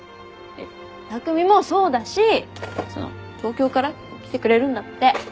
匠もそうだしその東京から来てくれるんだって。